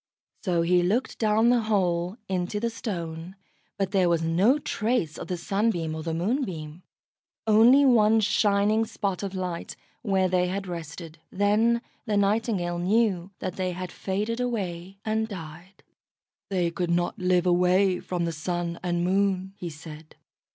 So he looked down the hole, into the Stone, but there was no trace of the Sunbeam or the Moonbeam only one shining spot of light, where they had rested. Then the Nightingale knew that they had faded away and died. "They could not live away from the Sun and Moon," he said.